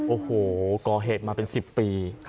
โอ้โหก่อเหตุมาเป็น๑๐ปี